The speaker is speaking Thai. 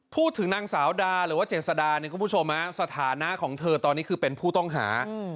พูดถึงนางสาวดาหรือว่าเจษดาเนี่ยคุณผู้ชมสถานะของเธอตอนนี้คือเป็นผู้ต้องหา